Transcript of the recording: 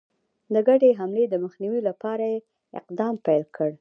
د ګډي حملې د مخنیوي لپاره اقدام پیل کړ.